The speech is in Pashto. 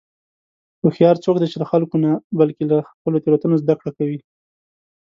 هوښیار څوک دی چې له خلکو نه، بلکې له خپلو تېروتنو زدهکړه کوي.